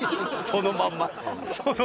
そのまんま。